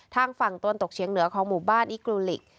ทางฝั่งตะวันตกเฉียงเหนือของหมู่บ้านอิกลูลิก